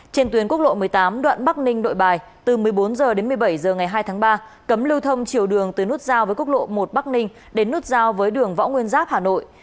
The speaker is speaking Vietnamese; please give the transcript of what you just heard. trên tuyến quốc lộ một mươi tám đoạn bắc ninh nội bài từ một mươi bốn h đến một mươi bảy h ngày hai tháng ba cấm lưu thông chiều đường từ nút giao với quốc lộ một bắc ninh đến nút giao với đường võ nguyên giáp hà nội